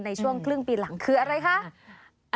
ในช่วงครึ่งปีหลังคืออะไรคะ